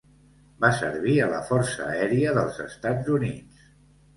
Va servir a la força aèria dels Estats Units.